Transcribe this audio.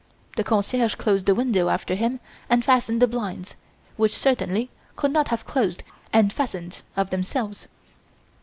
The concierge closed the window after him and fastened the blinds, which certainly could not have closed and fastened of themselves.